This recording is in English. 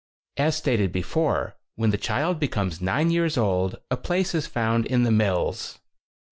As stated before, when the child becomes nine years old, a place is found in the mills.